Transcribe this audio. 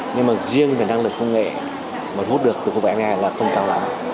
nhưng mà riêng về năng lực công nghệ mà thu hút được từ quốc vải nga là không cao lắm